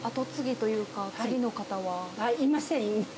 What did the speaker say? いません。